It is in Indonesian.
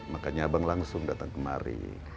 makanya abang langsung datang kemari